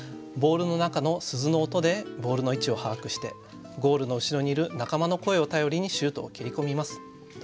ボールの中の鈴の音でボールの位置を把握してゴールの後ろにいる仲間の声を頼りにシュートを蹴り込みます。